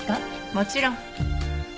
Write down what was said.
もちろん。